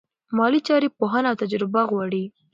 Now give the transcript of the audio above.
مالي چارې پوهنه او تجربه غواړي.